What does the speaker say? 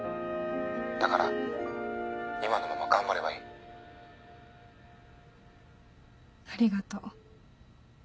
だから今のまま頑張ればいい。ありがとう。